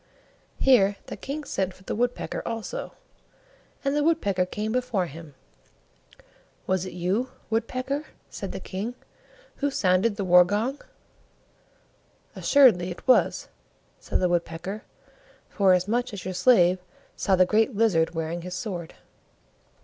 Here the King sent for the Woodpecker also, and the Woodpecker came before him. "Was it you, Woodpecker," said the King, "who sounded the war gong?" "Assuredly it was," said the Woodpecker, "forasmuch as your slave saw the Great Lizard wearing his sword."